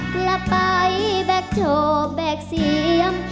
กลับไปแบกโจบแบกเสียม